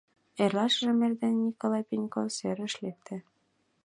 Эрлашыжым эрдене Николай Пеньков серыш лекте.